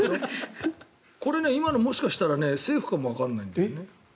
これ、今のもしかしたらセーフかもわからない。